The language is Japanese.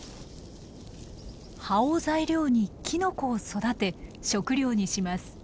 葉を材料にキノコを育て食料にします。